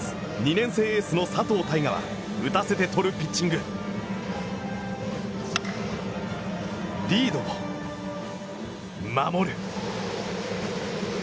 年生エースの佐藤大海は打たせて取るピッチングリードを守る。